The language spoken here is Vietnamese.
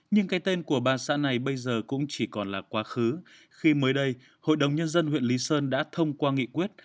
nhưng cái tên của ba xã này bây giờ cũng chỉ còn là quá khứ khi mới đây hội đồng nhân dân huyện lý sơn đã thông qua nghị quyết